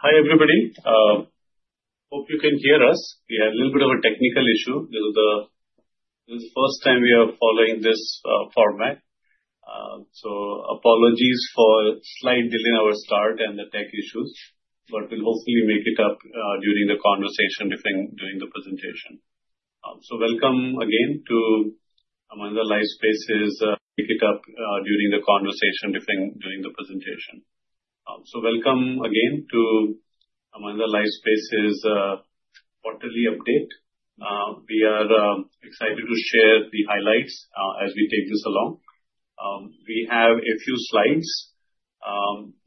Hi everybody. Hope you can hear us. We had a little bit of a technical issue because this is the first time we are following this format. Apologies for slight delay in our start and the tech issues, but we'll hopefully make it up during the conversation during the presentation. Welcome again to Mahindra Lifespaces' quarterly update. We are excited to share the highlights as we take this along. We have a few slides.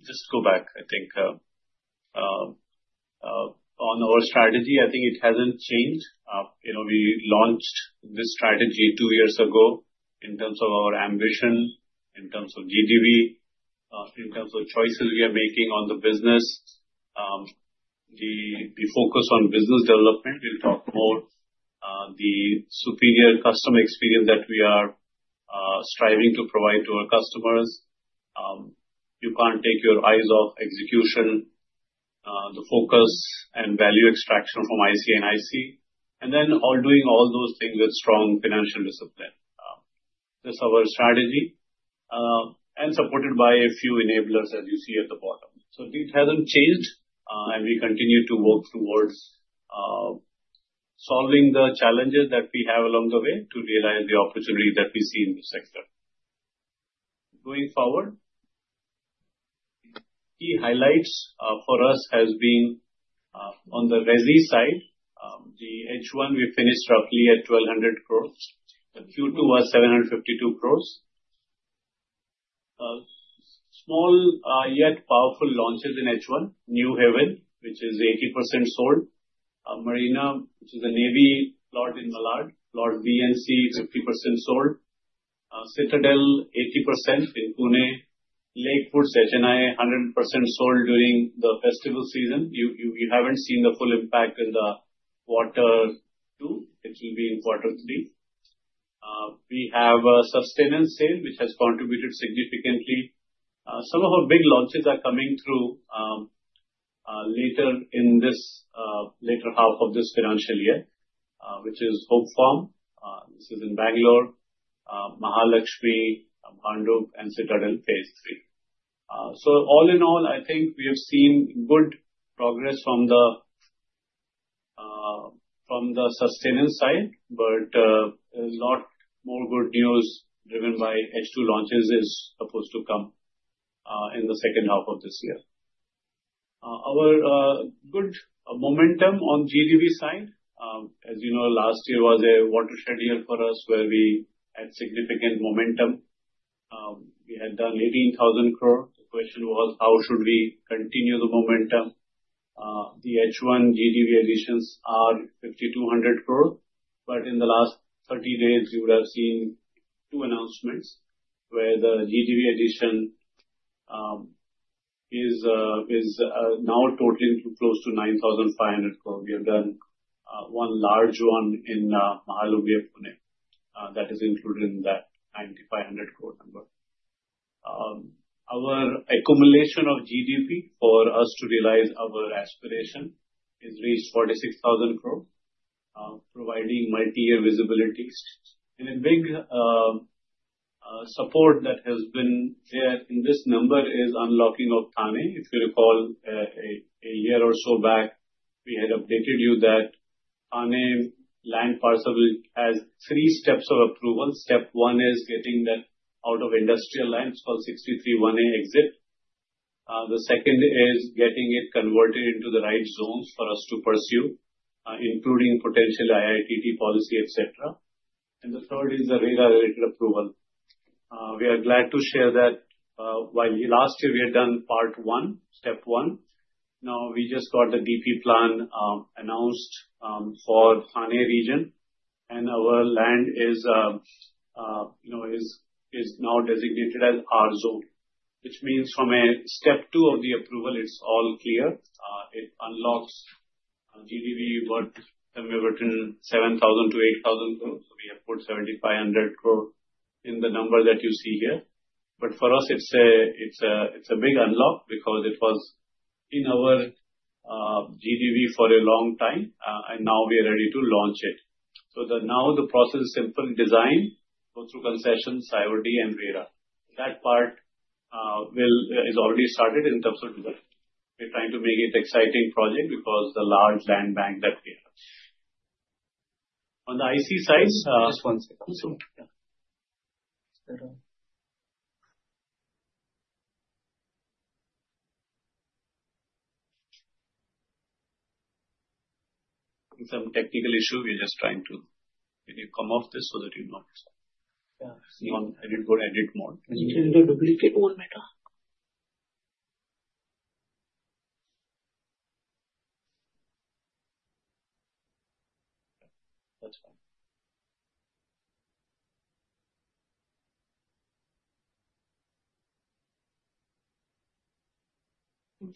Just go back, I think, on our strategy. I think it hasn't changed. You know, we launched this strategy two years ago in terms of our ambition, in terms of GDV, in terms of choices we are making on the business. The focus on business development. We'll talk more, the superior customer experience that we are striving to provide to our customers. You can't take your eyes off execution, the focus and value extraction from IC and IC, and then all doing all those things with strong financial discipline. This is our strategy, and supported by a few enablers, as you see at the bottom, so it hasn't changed, and we continue to work towards solving the challenges that we have along the way to realize the opportunity that we see in the sector. Going forward, key highlights for us has been on the Resi side, the H1 we finished roughly at 1,200 crores. The Q2 was 752 crores. Small, yet powerful launches in H1, New Haven, which is 80% sold. Marina, which is a new lot in Malad, lot B and C, 50% sold. Citadel, 80% in Pune. Lakewoods, Uncertain, 100% sold during the festival season. You haven't seen the full impact in the quarter two. It will be in quarter three. We have a sustenance sale which has contributed significantly. Some of our big launches are coming through later in this later half of this financial year, which is Hope Farm. This is in Bangalore, Mahalakshmi, Bhandup, and Citadel Phase three. So all in all, I think we have seen good progress from the sustenance side, but a lot more good news driven by H2 launches is supposed to come in the second half of this year. Our good momentum on GDV side, as you know, last year was a watershed year for us where we had significant momentum. We had done 18,000 crore. The question was, how should we continue the momentum? The H1 GDV additions are 5,200 crore. But in the last 30 days, you would have seen two announcements where the GDV addition is now totaling close to 9,500 crore. We have done one large one in Mahalunge, Pune, that is included in that 9,500 crore number. Our accumulation of GDV for us to realize our aspiration is reached 46,000 crore, providing multi-year visibility. A big support that has been there in this number is unlocking of Thane. If you recall, a year or so back, we had updated you that Thane land parcel has three steps of approval. Step one is getting that out of industrial line. It's called 63-1A exit. The second is getting it converted into the right zones for us to pursue, including potential IITT policy, et cetera. And the third is the RERA-related approval. We are glad to share that, while last year we had done part one, step one, now we just got the DP plan announced for Thane region, and our land is, you know, is, is now designated as R-zone, which means from a step two of the approval, it's all clear. It unlocks GDV worth 10,000-8,000 crore. So we have put 7,500 crore in the number that you see here. But for us, it's a, it's a, it's a big unlock because it was in our GDV for a long time, and now we are ready to launch it. So now the process is simple: design, go through concessions, IOD, and RERA. That part is already started in terms of development. We're trying to make it an exciting project because of the large land bank that we have. On the IC side, Just one second. Some technical issue. We're just trying to, can you come off this so that you not? Yeah. See, I didn't go to edit mode. You can do duplicate mode, Mehta. That's fine. You just check.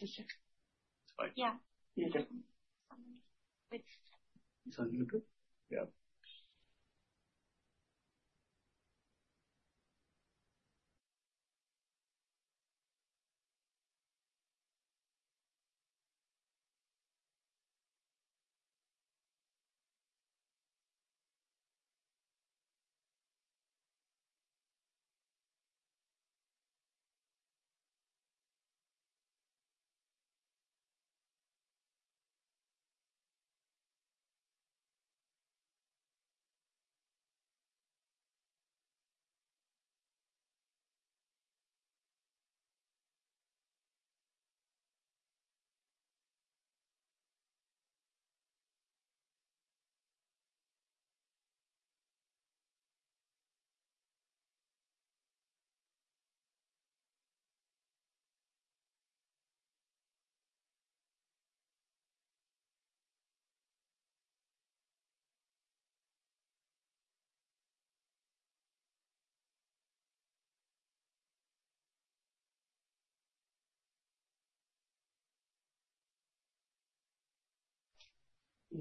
It's fine. Yeah. You check. It's on YouTube? Yeah.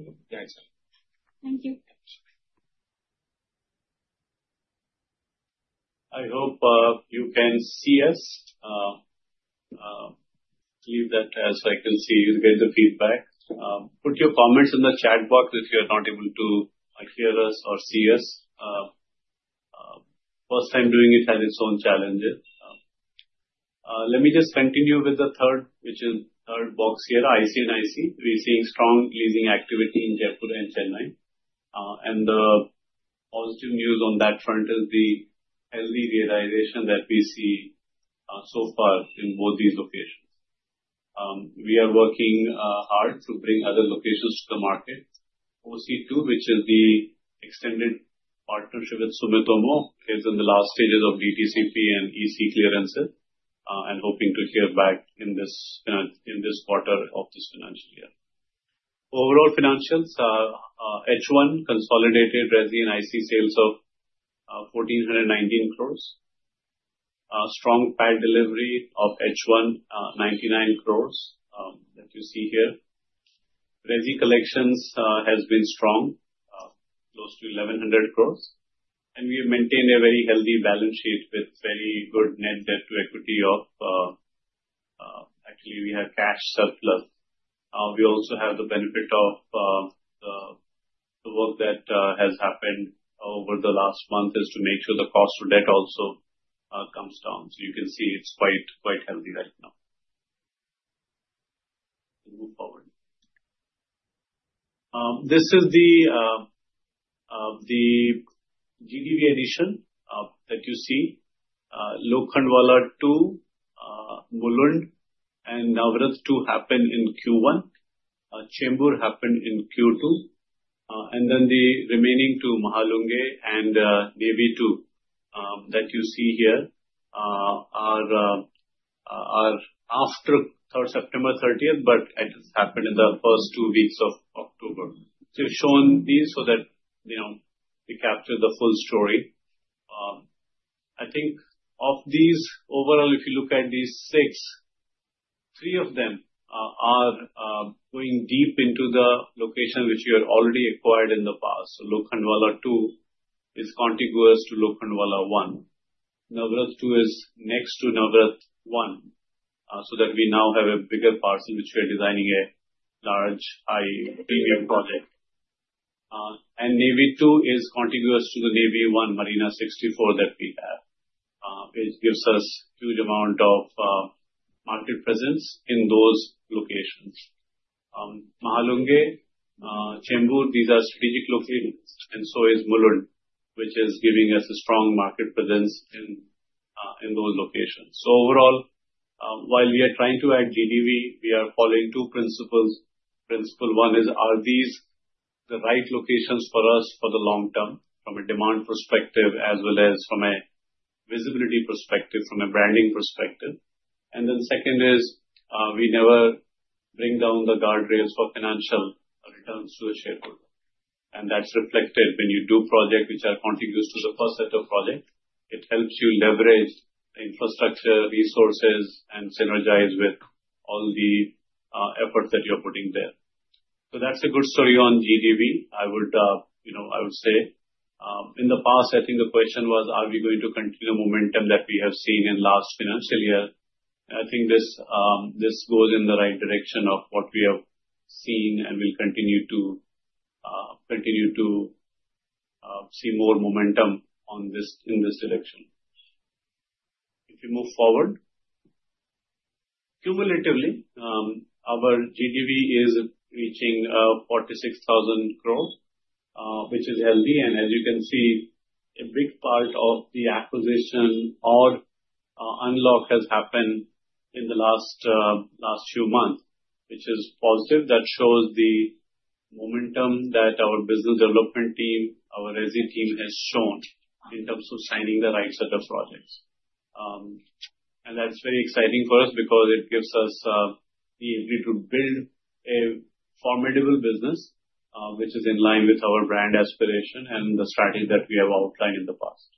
Thanks. Thank you. I hope you can see us. Leave that as I can see you get the feedback. Put your comments in the chat box if you're not able to hear us or see us. First time doing it has its own challenges. Let me just continue with the third, which is third box here, IC and IC. We're seeing strong leasing activity in Jaipur and Chennai. And the positive news on that front is the healthy realization that we see so far in both these locations. We are working hard to bring other locations to the market. OC-2, which is the extended partnership with Sumitomo, is in the last stages of DTCP and EC clearances, and hoping to hear back in this financial, in this quarter of this financial year. Overall financials, H1 consolidated resi and IC sales of 1,419 crores. Strong PAT delivery of H1, 99 crores, that you see here. Resi collections has been strong, close to 1,100 crores. And we have maintained a very healthy balance sheet with very good net debt to equity of, actually we have cash surplus. We also have the benefit of the work that has happened over the last month is to make sure the cost of debt also comes down. So you can see it's quite healthy right now. Move forward. This is the GDV addition that you see. Lokhandwala 2, Mulund, and Navrat 2 happened in Q1. Chembur happened in Q2. And then the remaining two, Mahalunge and Marve 2, that you see here, are after September 30th, but it has happened in the first two weeks of October. So we've shown these so that, you know, we capture the full story. I think of these overall, if you look at these six, three of them are going deep into the location which we had already acquired in the past. So Lokhandwala 2 is contiguous to Lokhandwala 1. Navrat 2 is next to Navrat 1, so that we now have a bigger parcel which we are designing a large high premium project. And Marve 2 is contiguous to the Marve 1 Marina 64 that we have, which gives us a huge amount of market presence in those locations. Mahalunge, Chembur, these are strategic locations, and so is Mulund, which is giving us a strong market presence in those locations. So overall, while we are trying to add GDV, we are following two principles. Principle one is, are these the right locations for us for the long term from a demand perspective as well as from a visibility perspective, from a branding perspective? Then second is, we never bring down the guardrails for financial returns to the shareholder. And that's reflected when you do projects which are contiguous to the first set of projects. It helps you leverage the infrastructure resources and synergize with all the efforts that you're putting there. So that's a good story on GDV. I would, you know, I would say, in the past, I think the question was, are we going to continue the momentum that we have seen in last financial year? And I think this goes in the right direction of what we have seen and will continue to see more momentum on this in this direction. If you move forward, cumulatively, our GDV is reaching 46,000 crore, which is healthy. And as you can see, a big part of the acquisition or unlock has happened in the last few months, which is positive. That shows the momentum that our business development team, our resi team has shown in terms of signing the right set of projects, and that's very exciting for us because it gives us the ability to build a formidable business, which is in line with our brand aspiration and the strategy that we have outlined in the past.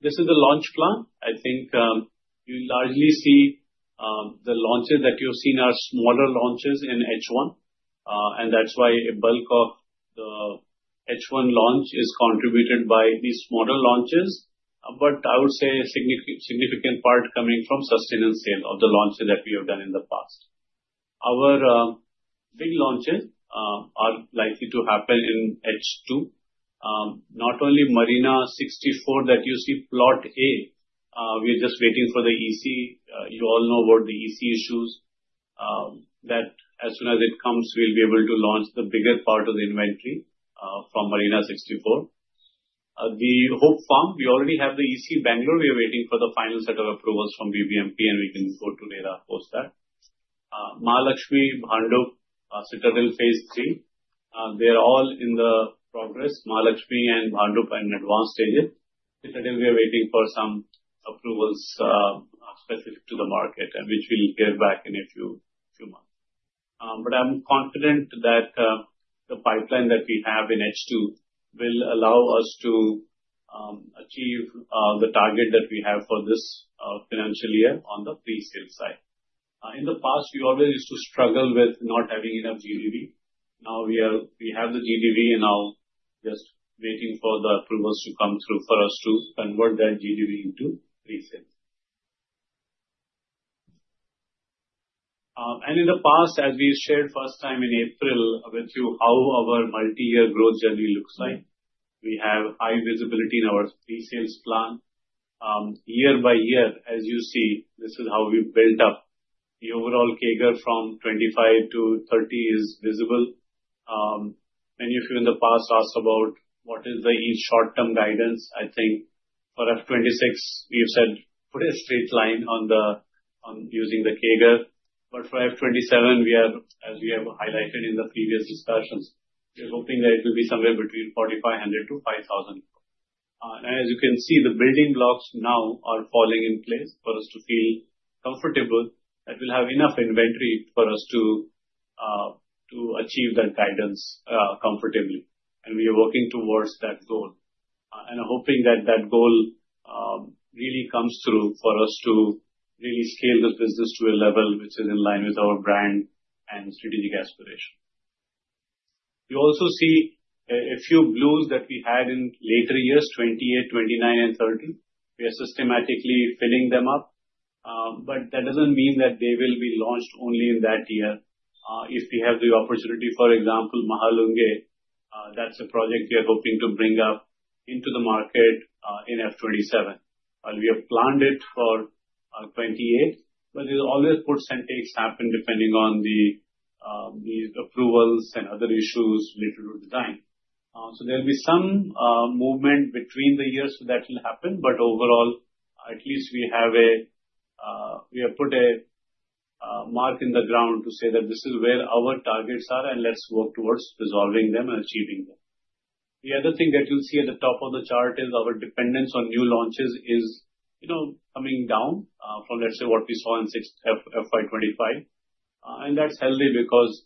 This is the launch plan. I think you largely see the launches that you've seen are smaller launches in H1, and that's why a bulk of the H1 launch is contributed by these smaller launches. But I would say a significant, significant part coming from sustenance sales of the launches that we have done in the past. Our big launches are likely to happen in H2. Not only Marina 64 that you see plot A, we are just waiting for the EC. You all know about the EC issues. That as soon as it comes, we'll be able to launch the bigger part of the inventory from Marina 64. The Hope Farm, we already have the EC Bangalore. We are waiting for the final set of approvals from BBMP, and we can go to RERA post that. Mahalakshmi, Bhandup, Citadel Phase three. They are all in progress. Mahalakshmi and Bhandup are in advanced stages. Citadel, we are waiting for some approvals, specific to the market, which we'll hear back in a few months. But I'm confident that the pipeline that we have in H2 will allow us to achieve the target that we have for this financial year on the pre-sale side. In the past, we always used to struggle with not having enough GDV. Now we are, we have the GDV and now just waiting for the approvals to come through for us to convert that GDV into pre-sales. And in the past, as we shared first time in April with you how our multi-year growth journey looks like, we have high visibility in our pre-sales plan. Year by year, as you see, this is how we built up. The overall CAGR from 25 to 30 is visible. Many of you in the past asked about what is the short-term guidance. I think for F26, we have said put a straight line on using the CAGR. But for F27, we are, as we have highlighted in the previous discussions, we're hoping that it will be somewhere between 4,500 crore to 5,000 crore. And as you can see, the building blocks now are falling in place for us to feel comfortable that we'll have enough inventory for us to achieve that guidance, comfortably. And we are working towards that goal. And I'm hoping that that goal really comes through for us to really scale this business to a level which is in line with our brand and strategic aspiration. You also see a few blues that we had in later years, 28, 29, and 30. We are systematically filling them up. But that doesn't mean that they will be launched only in that year. If we have the opportunity, for example, Mahalunge, that's a project we are hoping to bring up into the market, in F27. While we have planned it for 28, but there's always percentages happen depending on these approvals and other issues related to design, so there'll be some movement between the years that will happen. But overall, at least we have put a stake in the ground to say that this is where our targets are and let's work towards resolving them and achieving them. The other thing that you'll see at the top of the chart is our dependence on new launches is you know coming down from let's say what we saw in FY25, and that's healthy because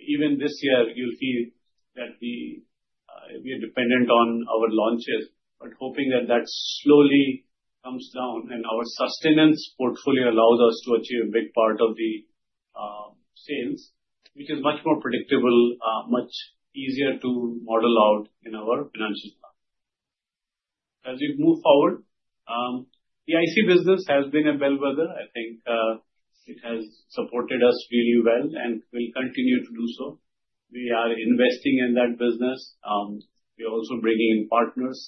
even this year you'll see that we are dependent on our launches, but hoping that that slowly comes down and our sustained portfolio allows us to achieve a big part of the sales, which is much more predictable, much easier to model out in our financial plan. As we move forward, the IC business has been a bellwether. I think, it has supported us really well and will continue to do so. We are investing in that business. We are also bringing in partners.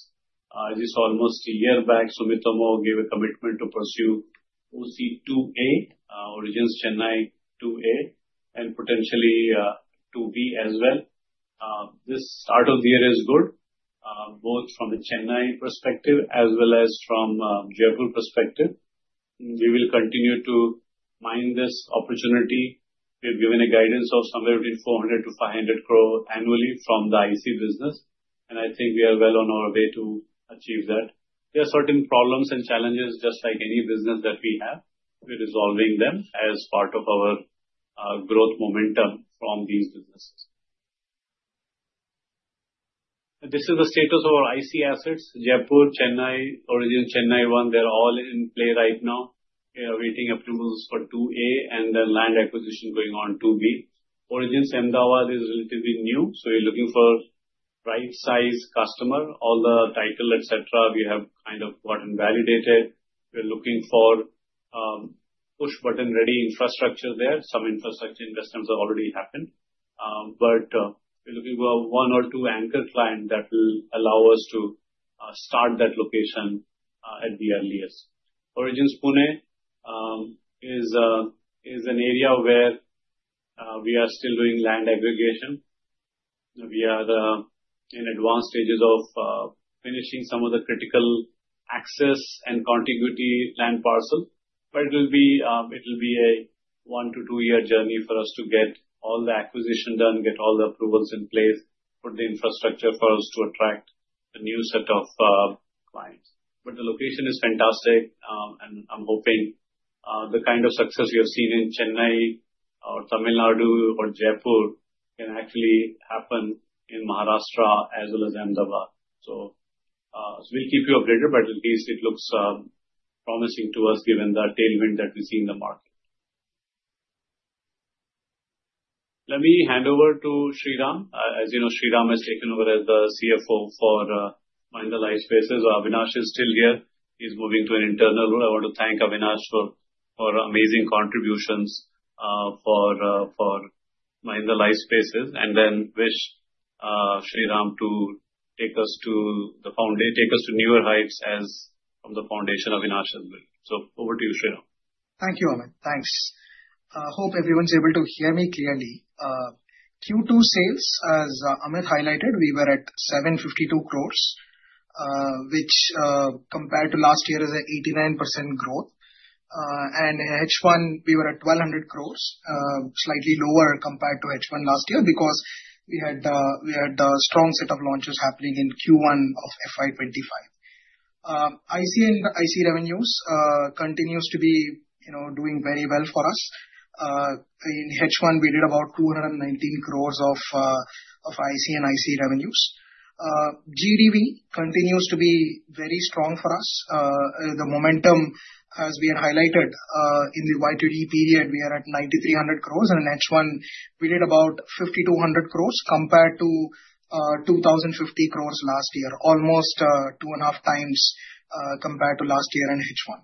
This almost a year back, Sumitomo gave a commitment to pursue OC2A, Origins Chennai 2A and potentially, 2B as well. This start of the year is good, both from a Chennai perspective as well as from Jaipur perspective. We will continue to mine this opportunity. We have given a guidance of somewhere between 400 crore to 500 crore annually from the IC business. And I think we are well on our way to achieve that. There are certain problems and challenges, just like any business that we have. We're resolving them as part of our growth momentum from these businesses. This is the status of our IC assets. Jaipur, Chennai, Origins Chennai 1, they're all in play right now. We are awaiting approvals for 2A and then land acquisition going on 2B. Origins Ahmedabad is relatively new. So we're looking for right size customer. All the title, et cetera, we have kind of gotten validated. We're looking for push button ready infrastructure there. Some infrastructure investments have already happened, but we're looking for one or two anchor clients that will allow us to start that location at the earliest. Origins Pune is an area where we are still doing land aggregation. We are in advanced stages of finishing some of the critical access and contiguity land parcel. But it will be a one to two year journey for us to get all the acquisition done, get all the approvals in place, put the infrastructure for us to attract a new set of clients. But the location is fantastic. I'm hoping the kind of success we have seen in Chennai or Tamil Nadu or Jaipur can actually happen in Maharashtra as well as Ahmedabad. We'll keep you updated, but at least it looks promising to us given the tailwind that we see in the market. Let me hand over to Sriram Mahadevan. As you know, Sriram Mahadevan has taken over as the CFO for Mahindra Lifespaces. Avinash is still here. He's moving to an internal role. I want to thank Avinash for amazing contributions for Mahindra Lifespaces. And then wish Sriram Mahadevan to take us to the foundation, take us to newer heights as from the foundation of Avinash as well. So over to you, Sriram Mahadevan. Thank you, Amit Sinha. Thanks. Hope everyone's able to hear me clearly. Q2 sales, as Amit Sinha highlighted, we were at 752 crores, which, compared to last year, is an 89% growth, and in H1, we were at 1,200 crores, slightly lower compared to H1 last year because we had the strong set of launches happening in Q1 of FY25. IC and IC revenues continues to be, you know, doing very well for us. In H1, we did about 219 crores of IC and IC revenues. GDV continues to be very strong for us. The momentum, as we had highlighted, in the YTD period, we are at 9,300 crores. And in H1, we did about 5,200 crores compared to 2,050 crores last year, almost two and a half times compared to last year in H1.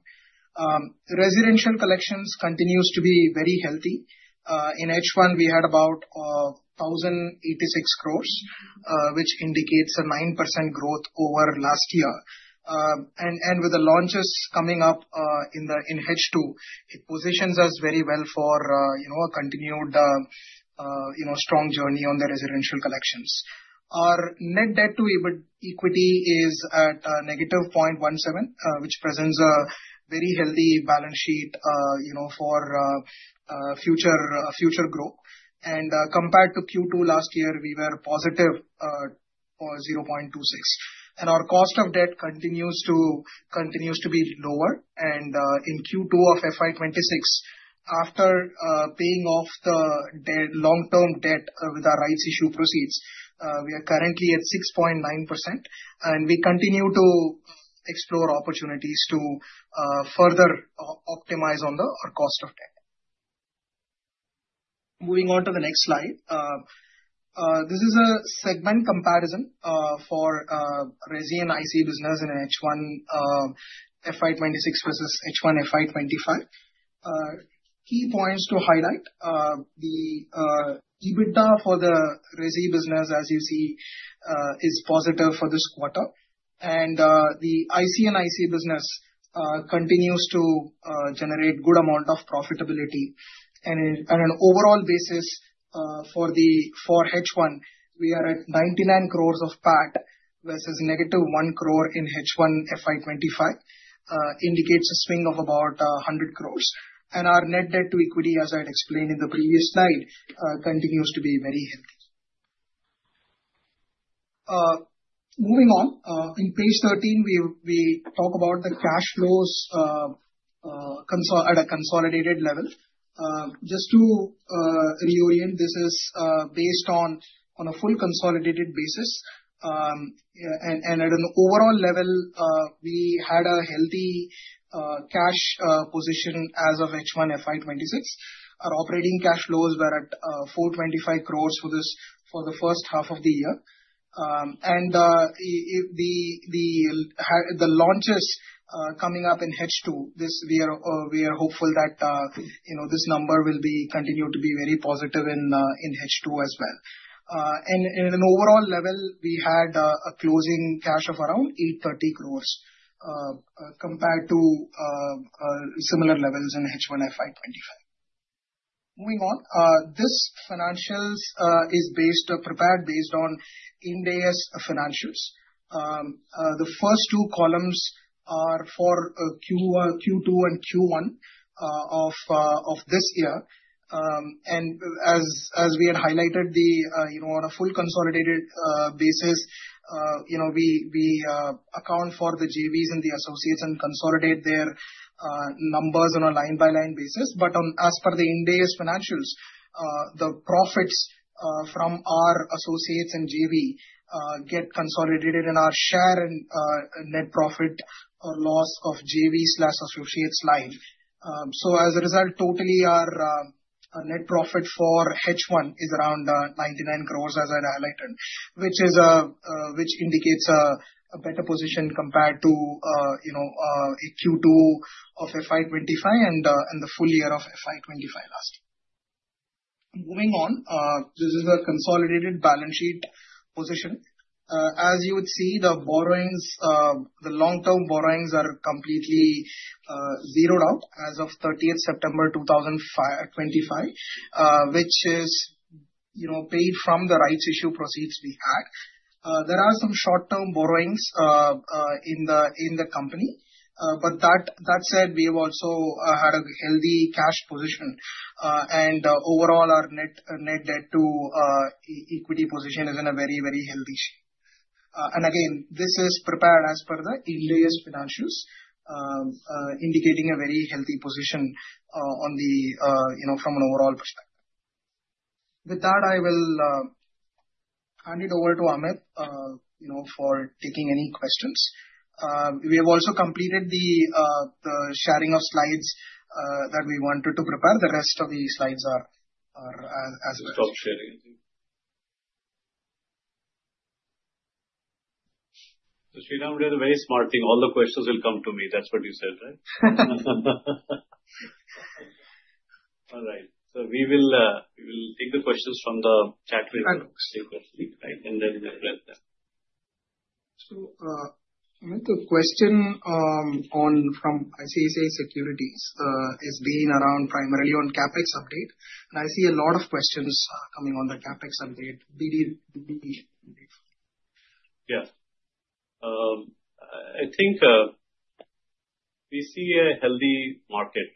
Residential collections continues to be very healthy. In H1, we had about 1,086 crores, which indicates a 9% growth over last year. With the launches coming up in H2, it positions us very well for, you know, a continued, you know, strong journey on the residential collections. Our net debt to equity is at negative 0.17, which presents a very healthy balance sheet, you know, for future growth. Compared to Q2 last year, we were positive 0.26. And our cost of debt continues to be lower. And in Q2 of FY26, after paying off the long-term debt with our rights issue proceeds, we are currently at 6.9%. And we continue to explore opportunities to further optimize our cost of debt. Moving on to the next slide. This is a segment comparison for residential IC business in H1 FY26 versus H1 FY25. Key points to highlight, the EBITDA for the residential business, as you see, is positive for this quarter. The IC and IC business continues to generate a good amount of profitability. On an overall basis, for H1, we are at 99 crores of PAT versus negative one crore in H1 FY25, indicates a swing of about 100 crores. Our net debt to equity, as I had explained in the previous slide, continues to be very healthy. Moving on, on page 13, we talk about the cash flows at a consolidated level. Just to reorient, this is based on a full consolidated basis. At an overall level, we had a healthy cash position as of H1 FY26. Our operating cash flows were at 425 crores for the first half of the year. The launches coming up in H2, we are hopeful that, you know, this number will continue to be very positive in H2 as well. On an overall level, we had a closing cash of around 830 crores, compared to similar levels in H1 FY25. Moving on, these financials are prepared based on Ind AS financials. The first two columns are for Q1, Q2, and Q1 of this year. As we had highlighted, you know, on a full consolidated basis, you know, we account for the JVs and the associates and consolidate their numbers on a line-by-line basis. But as per the Ind AS financials, the profits from our associates and JV get consolidated in our share and net profit or loss of JV slash associates line. So as a result, totally our net profit for H1 is around 99 crores, as I had highlighted, which indicates a better position compared to, you know, a Q2 of FY25 and the full year of FY25 last year. Moving on, this is a consolidated balance sheet position. As you would see, the borrowings, the long-term borrowings are completely zeroed out as of 30th September 2025, which is, you know, paid from the rights issue proceeds we had. There are some short-term borrowings in the company. But that said, we have also had a healthy cash position. Overall, our net debt to equity position is in a very healthy shape. Again, this is prepared as per the Ind AS, indicating a very healthy position on the, you know, from an overall perspective. With that, I will hand it over to Amit Sinha, you know, for taking any questions. We have also completed the sharing of slides that we wanted to prepare. The rest of the slides are as well. Stop sharing. So Sriram Mahadevan did a very smart thing. All the questions will come to me. That's what you said, right? All right. We will take the questions from the chat with the stakeholders, right? And then we'll read them. Amit Sinha, the question from ICICI Securities is being around primarily on CapEx update. And I see a lot of questions coming on the CapEx update. Did you? Yeah. I think we see a healthy market.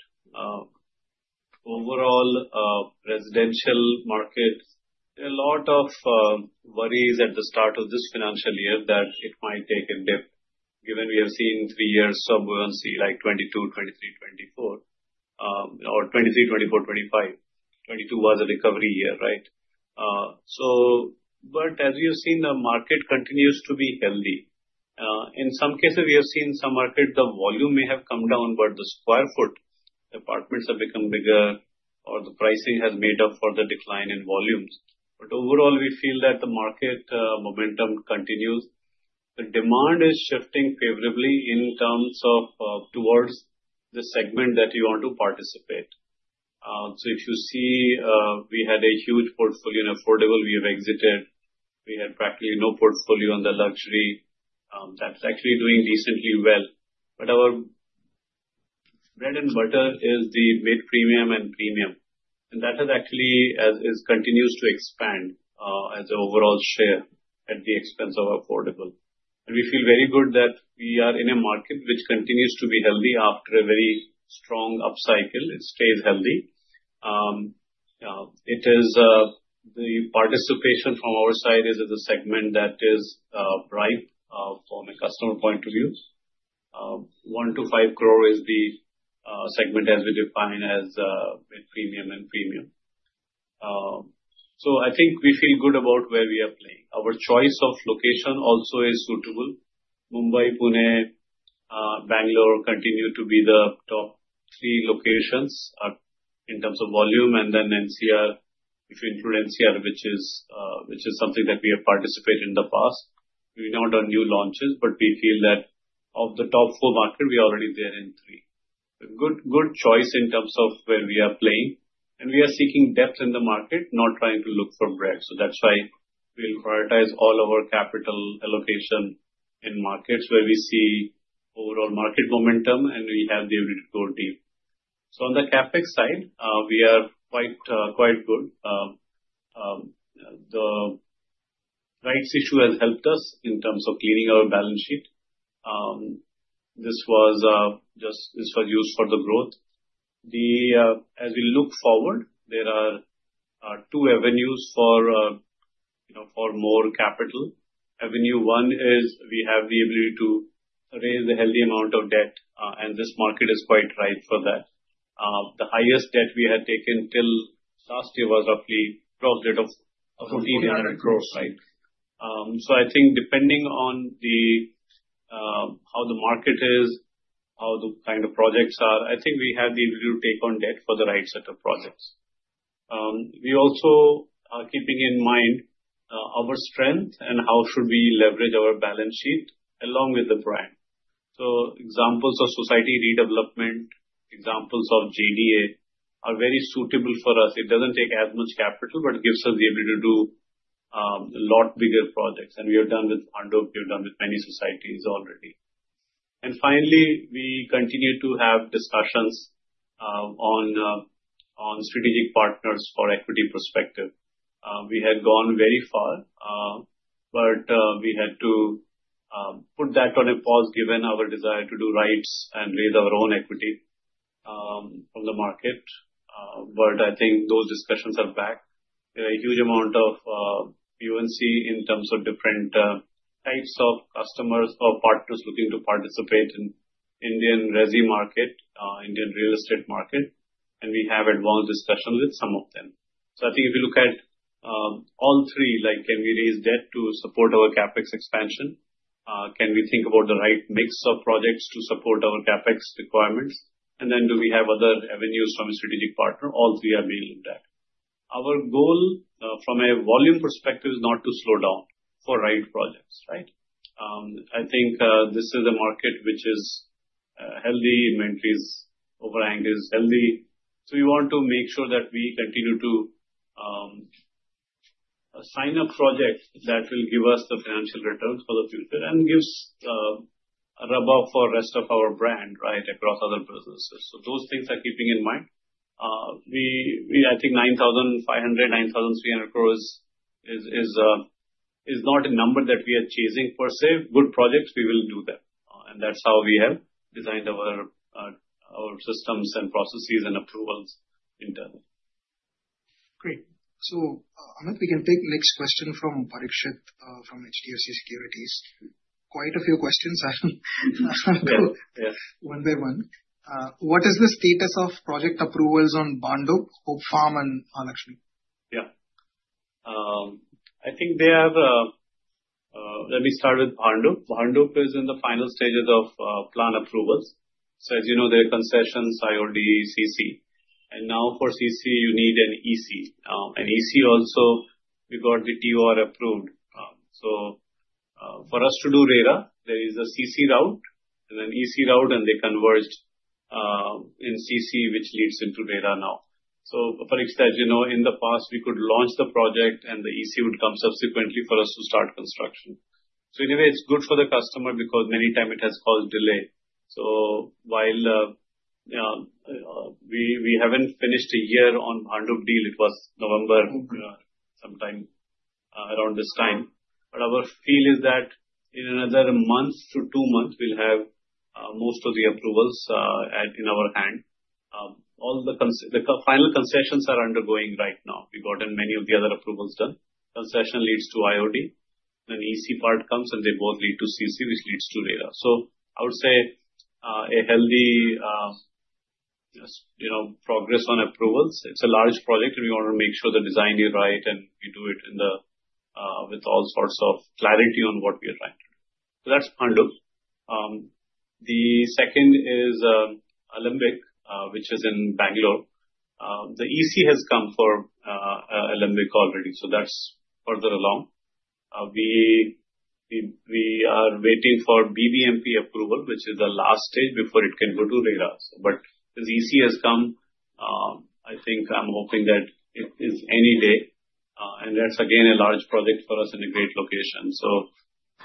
Overall, residential market, there are a lot of worries at the start of this financial year that it might take a dip given we have seen three years of 2022, 2023, 2024 or 2023, 2024, 2025. 2022 was a recovery year, right? But as you've seen, the market continues to be healthy. In some cases, we have seen some market, the volume may have come down, but the square foot apartments have become bigger or the pricing has made up for the decline in volumes. But overall, we feel that the market momentum continues. The demand is shifting favorably in terms of towards the segment that you want to participate. So if you see, we had a huge portfolio in affordable. We have exited. We had practically no portfolio on the luxury. That's actually doing decently well. But our bread and butter is the mid-premium and premium. And that has actually, as it continues to expand, as an overall share at the expense of affordable. And we feel very good that we are in a market which continues to be healthy after a very strong upcycle. It stays healthy. It is the participation from our side is a segment that is ripe from a customer point of view. One to five crore is the segment as we define as mid-premium and premium. So I think we feel good about where we are playing. Our choice of location also is suitable. Mumbai, Pune, Bangalore continue to be the top three locations in terms of volume. And then NCR, if you include NCR, which is something that we have participated in the past. We're not on new launches, but we feel that of the top four market, we are already there in three. Good, good choice in terms of where we are playing. And we are seeking depth in the market, not trying to look for breadth. So that's why we'll prioritize all of our capital allocation in markets where we see overall market momentum and we have the ability to go deep. So on the CapEx side, we are quite, quite good. The Rights Issue has helped us in terms of cleaning our balance sheet. This was just used for the growth. As we look forward, there are two avenues for, you know, for more capital. Avenue one is we have the ability to raise the healthy amount of debt. And this market is quite ripe for that. The highest debt we had taken till last year was roughly close to 1,400 crores, right? So I think depending on the how the market is, how the kind of projects are, I think we have the ability to take on debt for the right set of projects. We also, keeping in mind, our strength and how should we leverage our balance sheet along with the brand. So examples of society redevelopment, examples of JDA are very suitable for us. It doesn't take as much capital, but it gives us the ability to do a lot bigger projects. And we have done with Panduk, we have done with many societies already. And finally, we continue to have discussions on strategic partners for equity perspective. We had gone very far, but we had to put that on a pause given our desire to do rights and raise our own equity from the market. But I think those discussions are back. There are a huge amount of interest in terms of different types of customers or partners looking to participate in Indian resi market, Indian real estate market. And we have advanced discussions with some of them. So I think if you look at all three, like can we raise debt to support our CapEx expansion? Can we think about the right mix of projects to support our CapEx requirements? And then do we have other avenues from a strategic partner? All three have been looked at. Our goal from a volume perspective is not to slow down for right projects, right? I think this is a market which is healthy. Inventory overhang is healthy. So we want to make sure that we continue to sign a project that will give us the financial returns for the future and gives a rub off for the rest of our brand, right, across other businesses. So those things are keeping in mind. We I think 9,500, 9,300 crores is not a number that we are chasing per se. Good projects, we will do that. And that's how we have designed our systems and processes and approvals in terms. Great. So, Amit Sinha, we can take the next question from Parikshit from HDFC Securities. Quite a few questions, I will go one by one. What is the status of project approvals on Bhandup, Hope Farm, and Mahalakshmi? Yeah. I think, let me start with Bhandup. Bhandup is in the final stages of plan approvals. So, as you know, there are conditions, IOD, CC. Now for CC, you need an EC. And EC also, we got the TOR approved. For us to do RERA, there is a CC route and an EC route, and they converged in CC, which leads into RERA now. Parikshit, as you know, in the past, we could launch the project and the EC would come subsequently for us to start construction. Anyway, it's good for the customer because many times it has caused delay. While we haven't finished a year on Bhandup deal. It was November, sometime, around this time. But our feel is that in another month to two months, we'll have most of the approvals in our hand. All the consents, the final consents are undergoing right now. We've gotten many of the other approvals done. Consent leads to IOD. Then EC part comes and they both lead to CC, which leads to RERA. So, I would say, a healthy, you know, progress on approvals. It's a large project and we want to make sure the design is right and we do it in the, with all sorts of clarity on what we are trying to do. So, that's Mahalunge. The second is, Alembic, which is in Bangalore. The EC has come for Alembic already. So, that's further along. We are waiting for BBMP approval, which is the last stage before it can go to RERA. So, but the EC has come. I think I'm hoping that it is any day, and that's again a large project for us in a great location. So,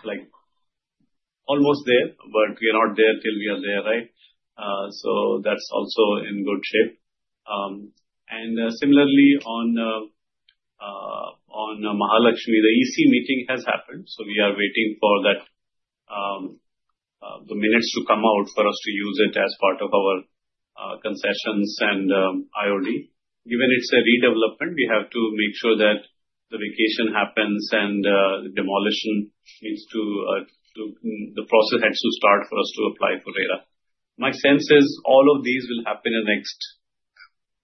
like, almost there, but we are not there till we are there, right? So that's also in good shape. And similarly on Mahalakshmi, the EC meeting has happened. So, we are waiting for that, the minutes to come out for us to use it as part of our concessions and IOD. Given it's a redevelopment, we have to make sure that the vacation happens and the demolition, the process has to start for us to apply for RERA. My sense is all of these will happen in the next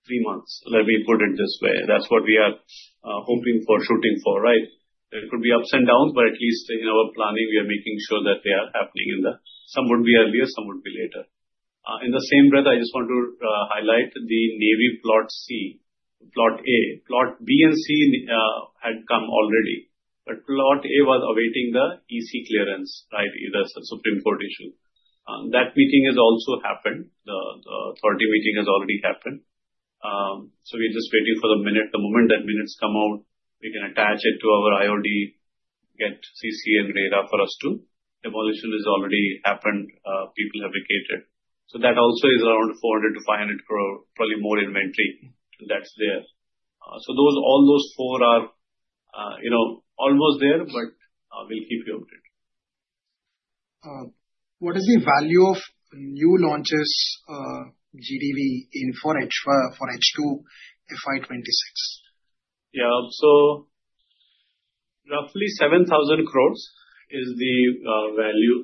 three months. Let me put it this way. That's what we are hoping for, shooting for, right? There could be ups and downs, but at least in our planning, we are making sure that they are happening in the, some would be earlier, some would be later. In the same breath, I just want to highlight the new Plot C, Plot A. Plot B and C had come already. But Plot A was awaiting the EC clearance, right? That's a Supreme Court issue. That meeting has also happened. The authority meeting has already happened. So we're just waiting for the minutes, the moment that minutes come out, we can attach it to our IOD, get CC and RERA for us to. Demolition has already happened. People have vacated. So that also is around 400-500 crore, probably more inventory that's there. So those, all those four are, you know, almost there, but we'll keep you updated. What is the value of new launches, GDV in for H2, FY26? Yeah. So roughly 7,000 crores is the value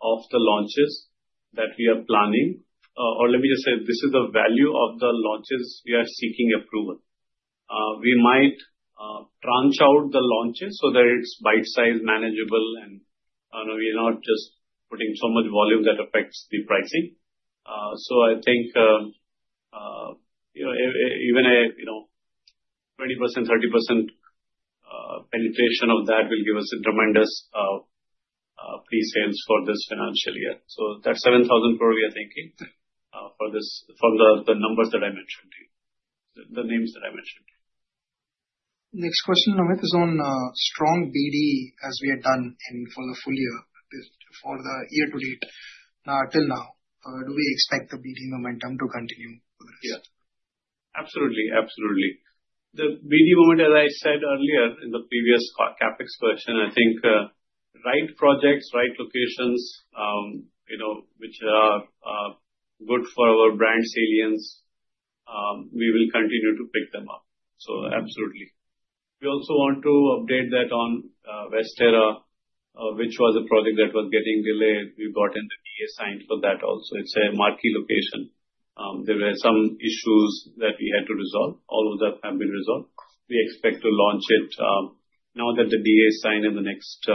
of the launches that we are planning. Or let me just say, this is the value of the launches we are seeking approval. We might tranche out the launches so that it's bite-sized, manageable, and we are not just putting so much volume that affects the pricing. So I think, you know, even a, you know, 20%, 30% penetration of that will give us a tremendous pre-sales for this financial year. So, that's 7,000 crore we are thinking, for this, from the, the numbers that I mentioned to you, the names that I mentioned to you. Next question, Amit Sinha, is on strong BD as we had done in for the full year for the year to date. Now, till now, do we expect the BD momentum to continue? Yeah. Absolutely. Absolutely. The BD momentum, as I said earlier in the previous CapEx question, I think, right projects, right locations, you know, which are good for our brand salience, we will continue to pick them up. So, absolutely. We also want to update that on Westera, which was a project that was getting delayed. We got the DA signed for that also. It's a marquee location. There were some issues that we had to resolve. All of that have been resolved. We expect to launch it, now that the DA is signed in the next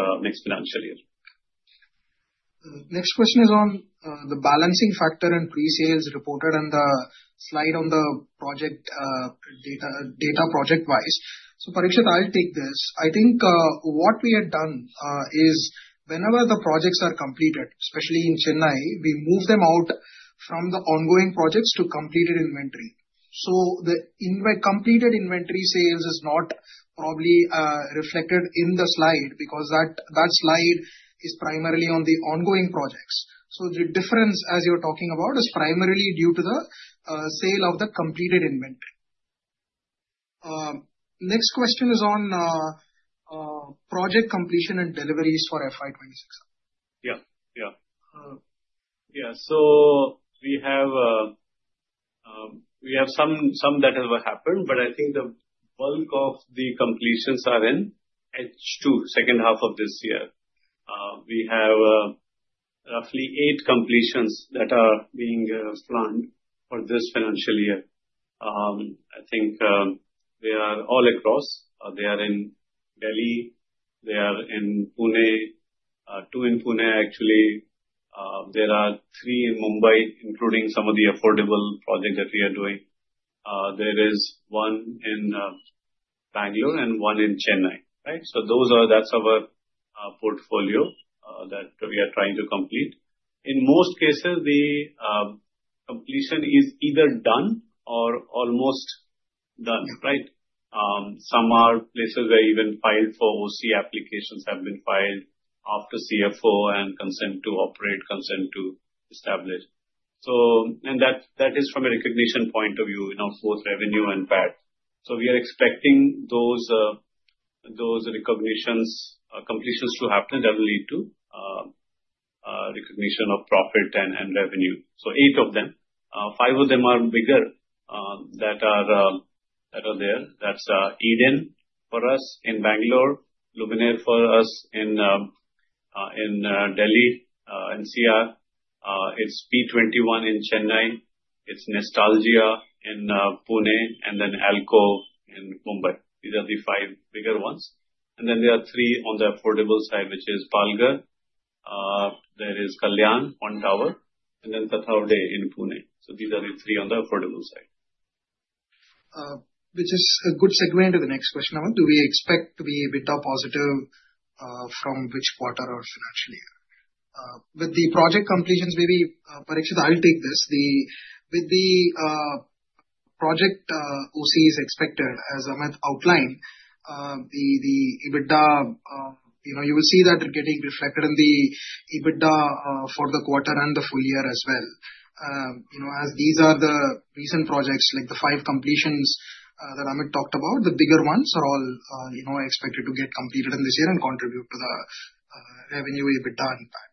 financial year. Next question is on the balancing factor and pre-sales reported on the slide on the project data project-wise. So, Parikshit, I'll take this. I think what we had done is whenever the projects are completed, especially in Chennai, we move them out from the ongoing projects to completed inventory. So, the completed inventory sales is not probably reflected in the slide because that slide is primarily on the ongoing projects. So, the difference, as you're talking about, is primarily due to the sale of the completed inventory. Next question is on project completion and deliveries for FY26. Yeah. So, we have some that have happened, but I think the bulk of the completions are in H2, second half of this year. We have roughly eight completions that are being planned for this financial year. I think they are all across. They are in Delhi. They are in Pune. Two in Pune, actually. There are three in Mumbai, including some of the affordable projects that we are doing. There is one in Bangalore and one in Chennai, right? So, those are that's our portfolio that we are trying to complete. In most cases, the completion is either done or almost done, right? Some are places where even OC applications have been filed after CFO and consent to operate, consent to establish. So, and that is from a recognition point of view, you know, both revenue and PAT. So, we are expecting those recognitions, completions to happen that will lead to recognition of profit and revenue. So, eight of them, five of them are bigger that are there. That's Eden for us in Bangalore, Luminare for us in Delhi NCR. It's P21 in Chennai. It's Nestalgia in Pune, and then Alcove in Mumbai. These are the five bigger ones. And then there are three on the affordable side, which is Palghar. There is Kalyan One Tower, and then Tathawade in Pune. So, these are the three on the affordable side, which is a good segue into the next question, Amit Sinha. Do we expect to be EBITDA positive from which quarter or financial year? With the project completions, maybe Parikshit, I'll take this. The project OC is expected, as Amit Sinha outlined. The EBITDA, you know, you will see that getting reflected in the EBITDA for the quarter and the full year as well. You know, as these are the recent projects, like the five completions that Amit Sinha talked about, the bigger ones are all, you know, expected to get completed in this year and contribute to the revenue, EBITDA and PAT.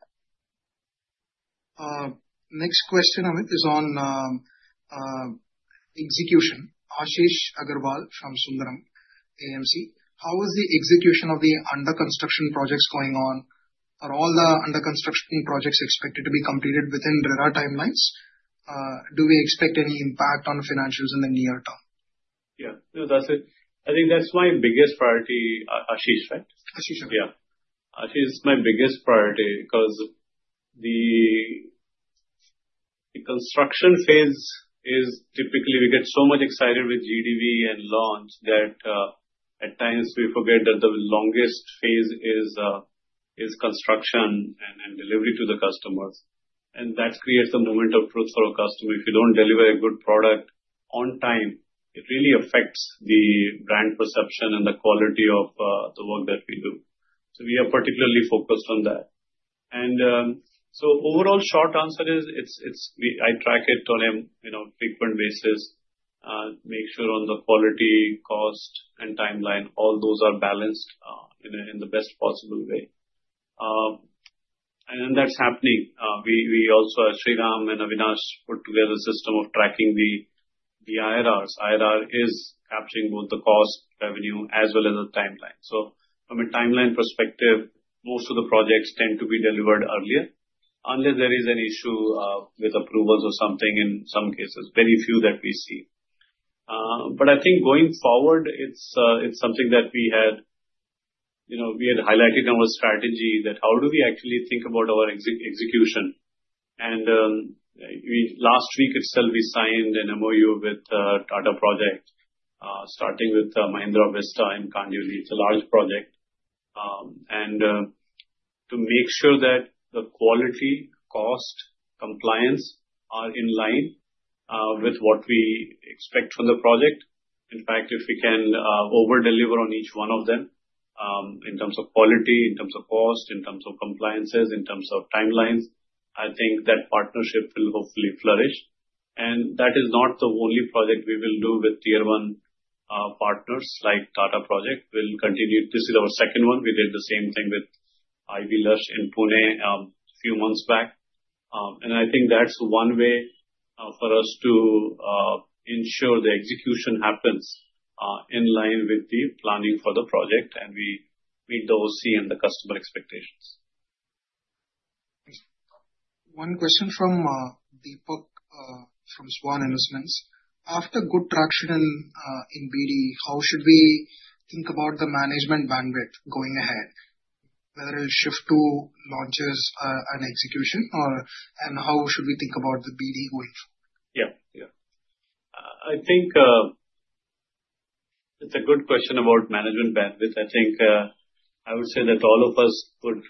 Next question, Amit Sinha, is on execution. Ashish Agarwal from Sundaram AMC, how was the execution of the under-construction projects going on? Are all the under-construction projects expected to be completed within RERA timelines? Do we expect any impact on financials in the near term? Yeah. No, that's it. I think that's my biggest priority, Ashish, right? Ashish, yeah. Execution is my biggest priority because the construction phase is typically we get so much excited with GDV and launch that at times we forget that the longest phase is construction and delivery to the customers that creates a moment of truth for a customer. If you don't deliver a good product on time, it really affects the brand perception and the quality of the work that we do. We are particularly focused on that. Overall short answer is it's we I track it on a you know frequent basis, make sure on the quality, cost, and timeline, all those are balanced in a in the best possible way and then that's happening. We also as Sriram Mahadevan and Avinash put together a system of tracking the IRRs. IRR is capturing both the cost, revenue, as well as the timeline. From a timeline perspective, most of the projects tend to be delivered earlier unless there is an issue with approvals or something in some cases, very few that we see. But I think going forward, it's something that we had, you know, we had highlighted in our strategy that how do we actually think about our execution. We last week itself signed an MoU with Tata Projects, starting with Mahindra Vista and Kandivali. It's a large project to make sure that the quality, cost, compliance are in line with what we expect from the project. In fact, if we can overdeliver on each one of them in terms of quality, in terms of cost, in terms of compliances, in terms of timelines, I think that partnership will hopefully flourish. And that is not the only project we will do with tier one partners like Tata Projects. We'll continue. This is our second one. We did the same thing with IV Lush in Pune a few months back. I think that's one way for us to ensure the execution happens in line with the planning for the project and we meet the OC and the customer expectations. One question from Deepak from Swan Investments. After good traction in BD, how should we think about the management bandwidth going ahead, whether it'll shift to launches and execution, or and how should we think about the BD going forward? Yeah. Yeah. I think it's a good question about management bandwidth. I think I would say that all of us would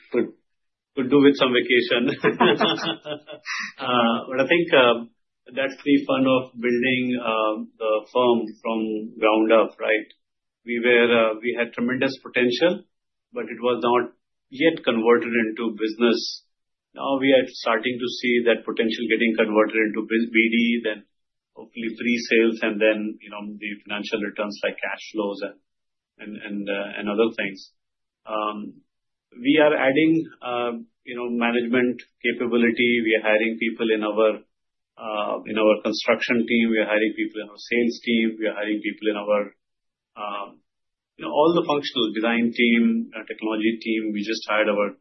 do with some vacation. But I think that's the fun of building the firm from ground up, right? We were, we had tremendous potential, but it was not yet converted into business. Now we are starting to see that potential getting converted into BD, then hopefully pre-sales, and then, you know, the financial returns like cash flows and other things. We are adding, you know, management capability. We are hiring people in our construction team. We are hiring people in our sales team. We are hiring people in our, you know, all the functional design team, technology team. We just hired our,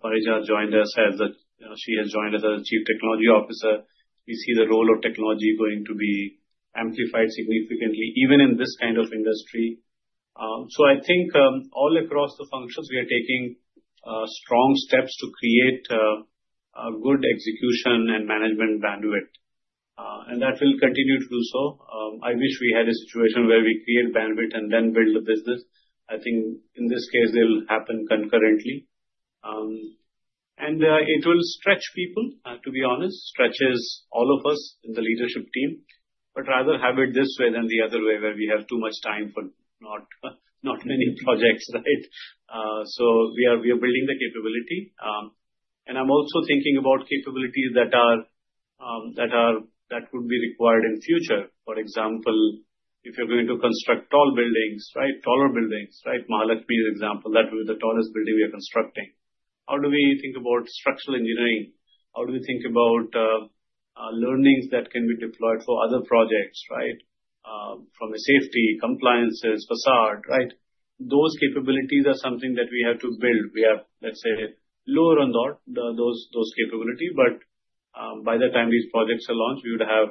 Parijat joined us as a, you know, she has joined us as a Chief Technology Officer. We see the role of technology going to be amplified significantly, even in this kind of industry. So I think, all across the functions, we are taking strong steps to create a good execution and management bandwidth, and that will continue to do so. I wish we had a situation where we create bandwidth and then build the business. I think in this case, it'll happen concurrently. And it will stretch people, to be honest, stretches all of us in the leadership team, but rather have it this way than the other way where we have too much time for not many projects, right? So we are building the capability. And I'm also thinking about capabilities that would be required in future. For example, if you're going to construct tall buildings, right? Taller buildings, right? Mahalakshmi, for example, that will be the tallest building we are constructing. How do we think about structural engineering? How do we think about learnings that can be deployed for other projects, right? From a safety, compliances, facade, right? Those capabilities are something that we have to build. We have, let's say, lower on those capabilities, but by the time these projects are launched, we would have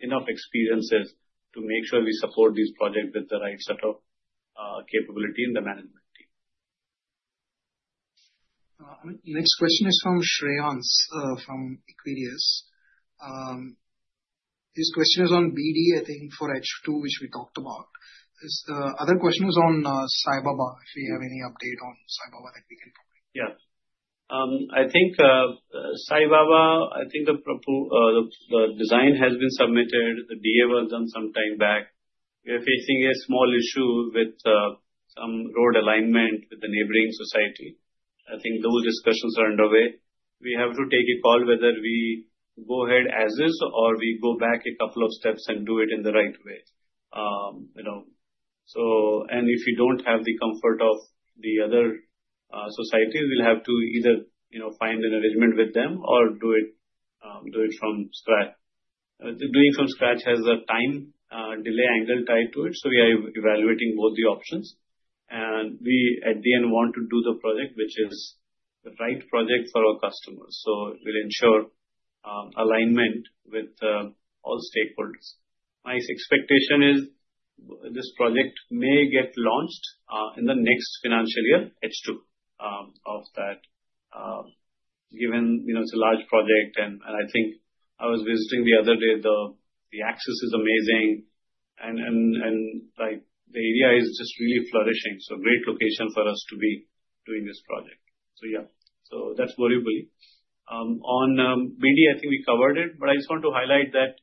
enough experiences to make sure we support these projects with the right set of capability in the management team. Next question is from Shreyans from Equirus. This question is on BD, I think, for H2, which we talked about. The other question is on Saibaba. If we have any update on Sai Baba that we can talk about. Yeah. I think Sai Baba, the proposal, the design has been submitted. The DA was done some time back. We are facing a small issue with some road alignment with the neighboring society. I think those discussions are underway. We have to take a call whether we go ahead as is or we go back a couple of steps and do it in the right way. You know, so and if you don't have the comfort of the other societies, we'll have to either, you know, find an arrangement with them or do it from scratch. Doing from scratch has a time delay angle tied to it. We are evaluating both the options. We at the end want to do the project, which is the right project for our customers. We'll ensure alignment with all stakeholders. My expectation is this project may get launched in the next financial year, H2 of that, given, you know, it's a large project. I think I was visiting the other day, the access is amazing. And like the area is just really flourishing. Great location for us to be doing this project. Yeah, so that's more easily. On BD, I think we covered it, but I just want to highlight that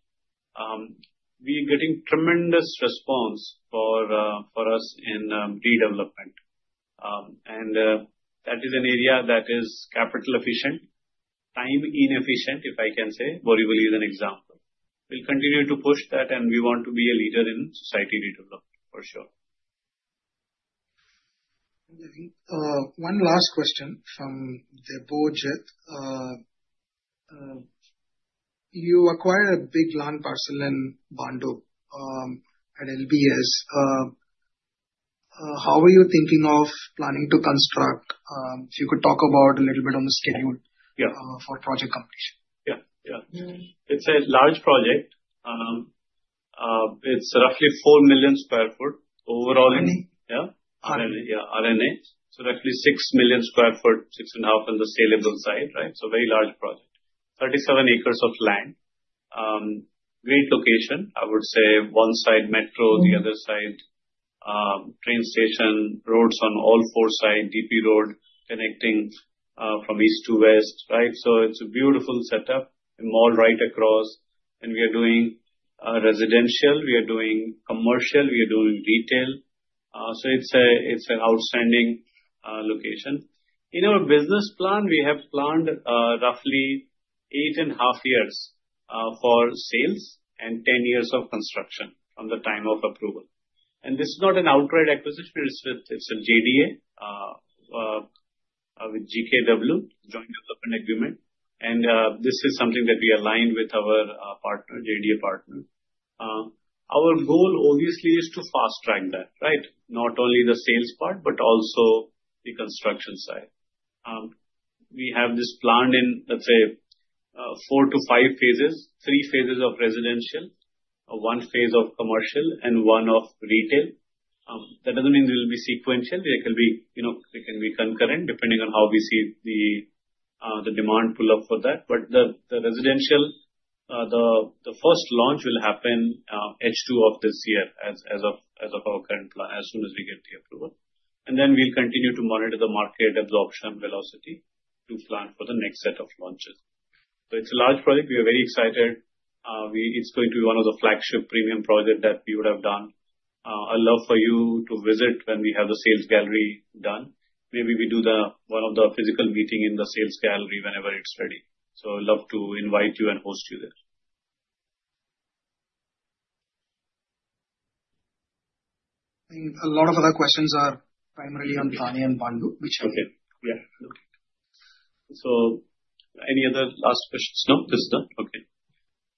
we are getting tremendous response for us in redevelopment. That is an area that is capital efficient, time inefficient, if I can say. Borivali is an example. We'll continue to push that and we want to be a leader in society redevelopment for sure. One last question from Debojit. You acquired a big land parcel in Bhandup at LBS. How are you thinking of planning to construct? If you could talk about a little bit on the schedule for project completion. Yeah. Yeah. It's a large project. It's roughly 4 million sq ft overall. RERA, so roughly 6 million sq ft, 6.5 million on the saleable side, right? So very large project. 37 acres of land. Great location. I would say one side metro, the other side train station, roads on all four sides, DP road connecting from east to west, right? So it's a beautiful setup, a mall right across. And we are doing residential. We are doing Commercial. We are doing Retail. So it's a, it's an outstanding location. In our business plan, we have planned roughly eight and a half years for sales and 10 years of construction from the time of approval. And this is not an outright acquisition. It's with, it's a JDA with GKW, Joint Development Agreement. And this is something that we align with our partner, JDA partner. Our goal obviously is to fast track that, right? Not only the sales part, but also the construction side. We have this plan in, let's say, four to five phases, three phases of Residential, one phase of Commercial, and one of retail. That doesn't mean it'll be sequential. It can be, you know, it can be concurrent depending on how we see the, the demand pull up for that. But the, the residential, the, the first launch will happen, H2 of this year as, as of, as of our current plan, as soon as we get the approval. And then we'll continue to monitor the market absorption velocity to plan for the next set of launches. So it's a large project. We are very excited. We, it's going to be one of the flagship premium projects that we would have done. I'd love for you to visit when we have the sales gallery done. Maybe we do the, one of the physical meeting in the sales gallery whenever it's ready. So I'd love to invite you and host you there. A lot of other questions are primarily on Thane and Bhandup, which I will. Okay. Yeah. Okay. So any other last questions? No, just that. Okay.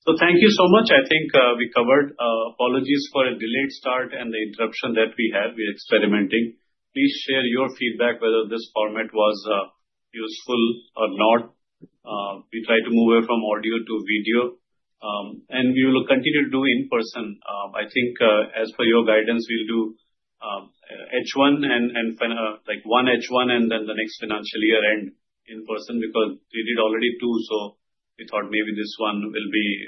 So thank you so much. I think we covered, apologies for a delayed start and the interruption that we had. We are experimenting. Please share your feedback whether this format was useful or not. We try to move away from audio to video, and we will continue to do in person. I think, as per your guidance, we'll do H1 and, and, like one H1 and then the next financial year end in person because we did already two. So we thought maybe this one will be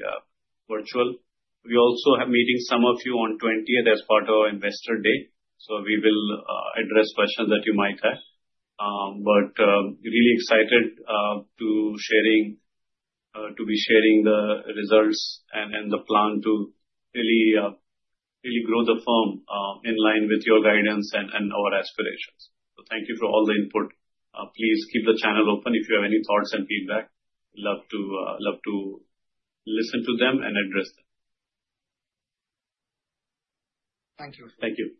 virtual. We also have meeting some of you on 20th as part of our Investor Day. So we will address questions that you might have. But really excited to be sharing the results and the plan to really grow the firm in line with your guidance and our aspirations. So thank you for all the input. Please keep the channel open. If you have any thoughts and feedback, we'd love to listen to them and address them. Thank you. Thank you.